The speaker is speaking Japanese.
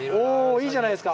いいじゃないですか。